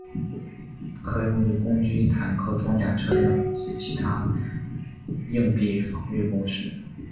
可用于攻击坦克装甲车辆及其它硬壁防御工事。